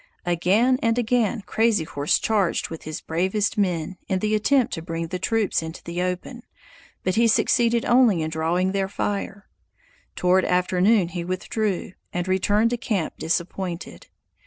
Again and again Crazy Horse charged with his bravest men, in the attempt to bring the troops into the open, but he succeeded only in drawing their fire. Toward afternoon he withdrew, and returned to camp disappointed.